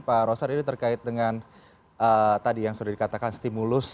pak rosar ini terkait dengan tadi yang sudah dikatakan stimulus